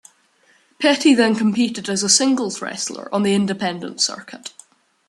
Petty then competed as a singles wrestler on the independent circuit.